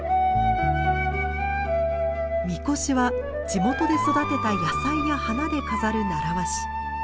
神輿は地元で育てた野菜や花で飾る習わし。